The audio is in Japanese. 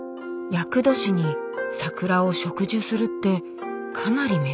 厄年に桜を植樹するってかなり珍しい気が。